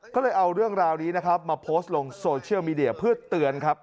ก็เลยเอาเรื่องราวนี้นะครับมาโพสต์ลงโซเชียลมีเดียเพื่อเตือนครับ